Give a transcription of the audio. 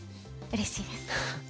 うれしいです。